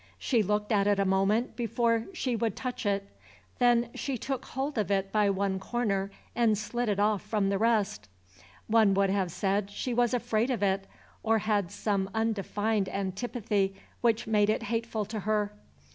She looked at it a moment before she would touch it. Then she took hold of it by one corner and slid it off from the rest. One would have said she was afraid of it, or had some undefined antipathy which made it hateful to her.